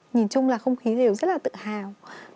nhìn chung là không khí đều rất là tự hào